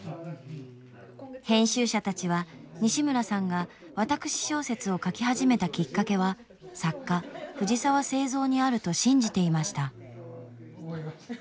編集者たちは西村さんが私小説を書き始めたきっかけは作家藤澤造にあると信じていました。